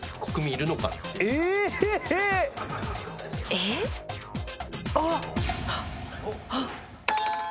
えっ？あっ！